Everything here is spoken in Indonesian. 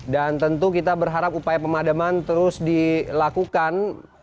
dan tentu kita berharap upaya pemadaman terus dilakukan